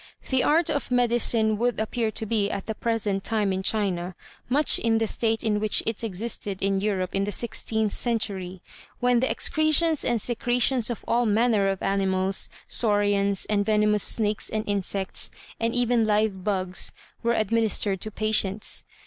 The art of medicine would appear to be at the present time in China much in the state in which it existed in Europe in the sixteenth century, when the excretions and secretions of all manner of animals, saurians, and venomous snakes and insects, and even live bugs, were administered to patients.